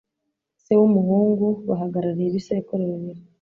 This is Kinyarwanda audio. Se n'umuhungu bahagarariye ibisekuru bibiri.